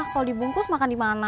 kalau dibungkus makan dibungkus